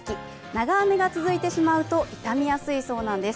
長雨が続いてしまうと傷みやすいそうなんです。